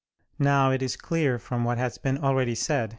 Now it is clear from what has been already said (Q.